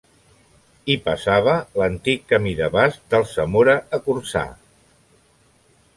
Hi passava l'antic camí de bast d'Alsamora a Corçà.